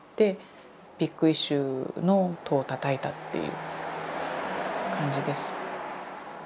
「ビッグイシュー」の戸をたたいたっていう感じです。